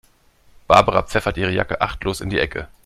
Barbara pfeffert ihre Jacke achtlos in die Ecke.